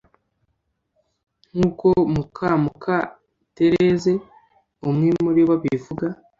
nk’uko Mukamukama Therese umwe muri bo abivuga